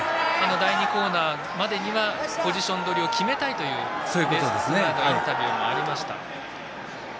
第２コーナーまでにはポジション取りを決めたいというレース前のインタビューもありました。